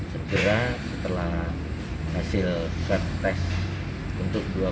setelah setelah hasil swab test dua puluh enam tenaga kesehatan yang terdiri dari dokter dan perawat